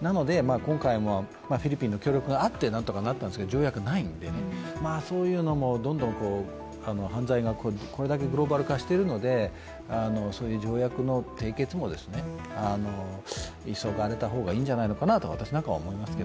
なので、今回もフィリピンの協力があって何とかなったんですけど、条約はないので、そういうのもどんどん犯罪がこれだけグローバル化してるのでそういう条約の締結も急がれた方がいいんじゃないかなと私なんかは思います。